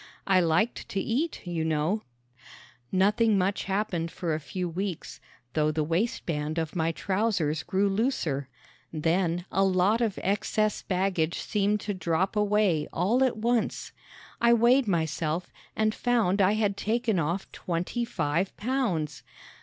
I liked to eat, you know. Nothing much happened for a few weeks, though the waistband of my trousers grew looser. Then a lot of excess baggage seemed to drop away all at once. I weighed myself and found I had taken off twenty five pounds.